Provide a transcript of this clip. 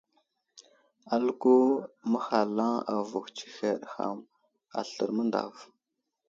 Aləko məhalaŋ avohw tsəhed ham aslər məŋdav.